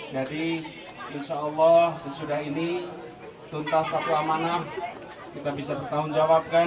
insya allah sesudah ini tuntas satu amanah kita bisa bertanggung jawabkan